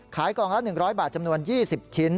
กล่องละ๑๐๐บาทจำนวน๒๐ชิ้น